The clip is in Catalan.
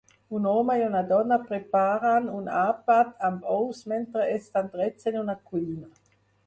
Un home i una dona preparen un àpat amb ous mentre estan drets en una cuina.